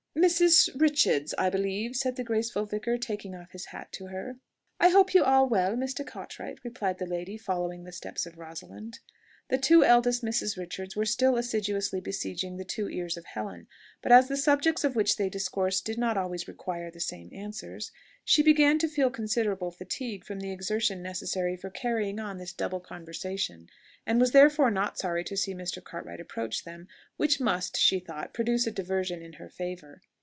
"Mrs. Richards, I believe?" said the graceful vicar, taking off his hat to her. "I hope you are well, Mr. Cartwright?" replied the lady, following the steps of Rosalind. The two eldest Misses Richards were still assiduously besieging the two ears of Helen; but as the subjects of which they discoursed did not always require the same answers, she began to feel considerable fatigue from the exertion necessary for carrying on this double conversation, and was therefore not sorry to see Mr. Cartwright approach them, which must, she thought, produce a diversion in her favour.